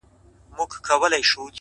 تمرکز بریا ته نږدې کوي،